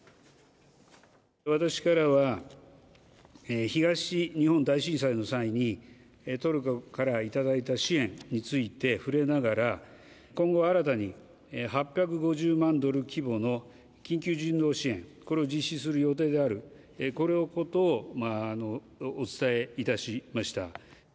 私からは東日本大震災の際に、トルコから頂いた支援についてふれながら、今後新たに８５０万ドル規模の緊急人道支援、これを実施する予定である、このことをお伝えいたしました。